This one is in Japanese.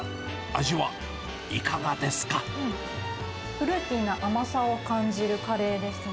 フルーティーな甘さを感じるカレーですね。